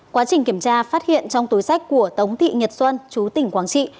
quá trình kiểm tra phát hiện trong túi sách của tống thị nhật xuân chú tỉnh quảng trị